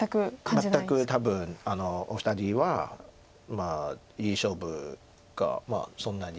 全く多分お二人はまあいい勝負かそんなに。